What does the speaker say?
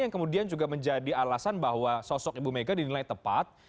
yang kemudian juga menjadi alasan bahwa sosok ibu mega dinilai tepat